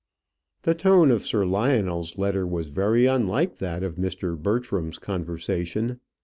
The tone of Sir Lionel's letter was very unlike that of Mr. Bertram's conversation.